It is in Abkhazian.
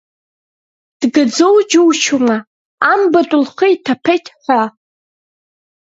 Дгаӡоу џьушьома, амбатә лхы иҭаԥеит ҳәа…